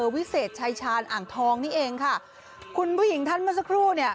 วิเศษชายชาญอ่างทองนี่เองค่ะคุณผู้หญิงท่านเมื่อสักครู่เนี่ย